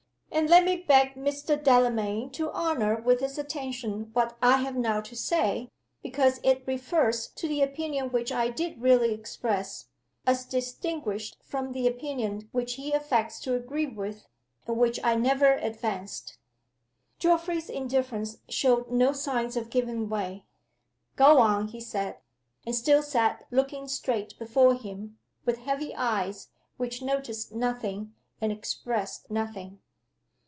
And let me beg Mr. Delamayn to honor with his attention what I have now to say, because it refers to the opinion which I did really express as distinguished from the opinion which he affects to agree with, and which I never advanced." Geoffrey's indifference showed no signs of giving way. "Go on!" he said and still sat looking straight before him, with heavy eyes, which noticed nothing, and expressed nothing.